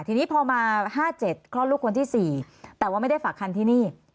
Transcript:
ทีนี้พอมา๕๗คลอดลูกคนที่๔แต่ว่าไม่ได้ฝากคันที่นี่